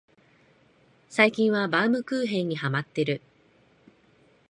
最近はバウムクーヘンにハマってる